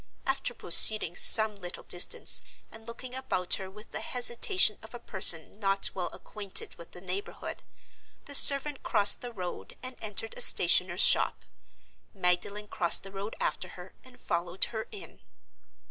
After proceeding some little distance, and looking about her with the hesitation of a person not well acquainted with the neighborhood, the servant crossed the road and entered a stationer's shop. Magdalen crossed the road after her and followed her in.